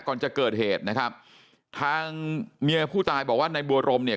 ก่อนจะเกิดเหตุนะครับทางเมียผู้ตายบอกว่าในบัวรมเนี่ย